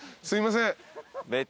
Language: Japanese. すいません。